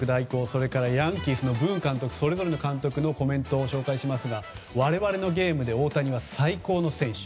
それからヤンキースのブーン監督それぞれの監督のコメントを紹介しますが我々のゲームで大谷は最高の選手。